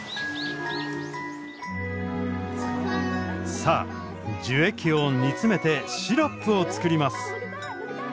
さあ樹液を煮詰めてシロップを作ります。